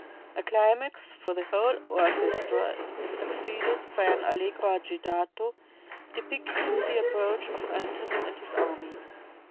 A climax for the whole orchestra is succeeded by an allegro agitato depicting the approach of Antony and his army.